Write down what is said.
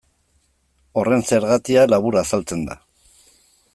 Horren zergatia labur azaltzen da.